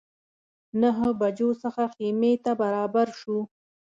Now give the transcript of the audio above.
نهه بجو څخه خیمې ته برابر شوو.